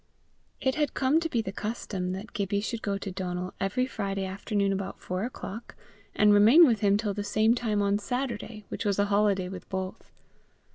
It had come to be the custom that Gibbie should go to Donal every Friday afternoon about four o'clock, and remain with him till the same time on Saturday, which was a holiday with both.